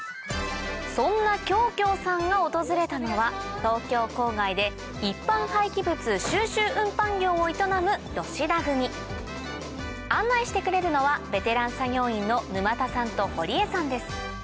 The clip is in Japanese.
そんなきょうきょうさんが訪れたのは東京郊外で一般廃棄物収集運搬業を営む吉田組案内してくれるのはベテラン作業員の沼田さんと堀江さんです